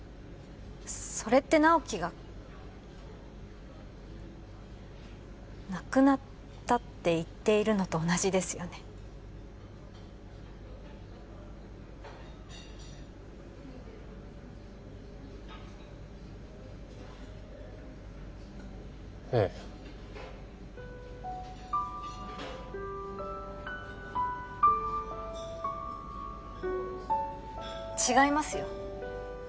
それって直木が亡くなったって言っているのと同じですよねええ違いますよ